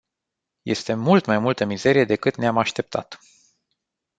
Este mult mai multă mizerie decât ne-am așteptat.